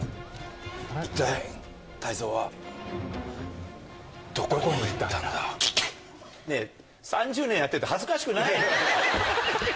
一体、泰造はどこへ行ったんねぇ、３０年やってて恥ずかしくないの？